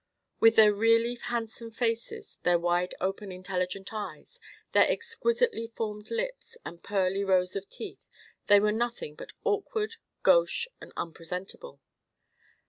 With their really handsome faces, their wide open intelligent eyes, their exquisitely formed lips, and pearly rows of teeth, they were nothing but awkward, gauche, and unpresentable.